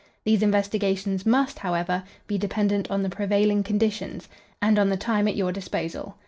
These investigations must, however, be dependent on the prevailing conditions, and on the time at your disposal.